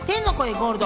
ゴールド。